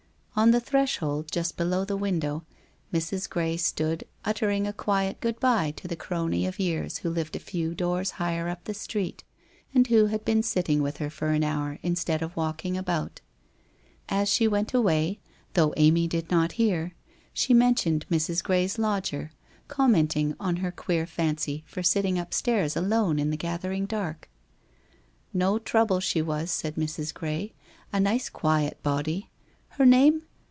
On the threshold, just below the window Mrs. Gray stood, utter ing a quiet good bye to the crony of years who lived a few doors higher up the street, and who had been sitting with her for an hour instead of walking about. As she went away, though Amy did not hear, she mentioned Mrs. Gray's lodger, commenting on her queer fancy for sitting upstairs alone in the gathering dark? No trouble she was, said Mrs. Gray. A nice quiet body. Her name?